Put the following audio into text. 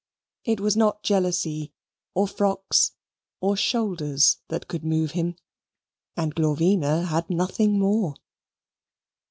It was not jealousy, or frocks, or shoulders that could move him, and Glorvina had nothing more.